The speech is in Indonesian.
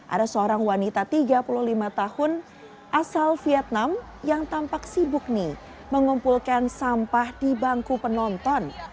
ada seorang wanita tiga puluh lima tahun asal vietnam yang tampak sibuk nih mengumpulkan sampah di bangku penonton